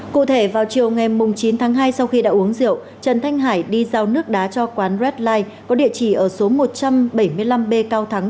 cụ thể vào chiều ngày chín tháng hai sau khi đã uống rượu trần thanh hải đi giao nước đá cho quán readlife có địa chỉ ở số một trăm bảy mươi năm b cao thắng